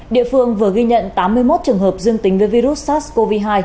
địa phương vừa ghi nhận tám mươi một trường hợp dương tính với virus sars cov hai